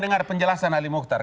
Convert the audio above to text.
dari pemilih pemilih yang dipercaya